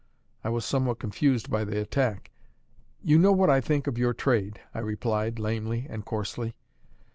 I was somewhat confused by the attack. "You know what I think of your trade," I replied, lamely and coarsely.